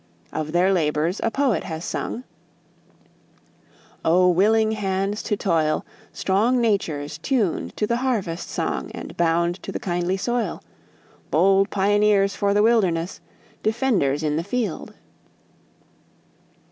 Of their labors a poet has sung: "O, willing hands to toil; Strong natures tuned to the harvest song and bound to the kindly soil; Bold pioneers for the wilderness, defenders in the field."